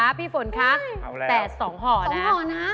เอาแล้วแต่๒ห่อนะ